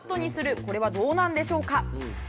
これはどうなんでしょうか？